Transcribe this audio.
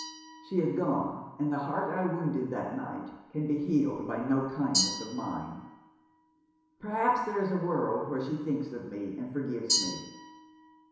She is gone, and the heart I wounded that night can be healed by no kindness of mine. Perhaps there is a world where she thinks of me and forgives me."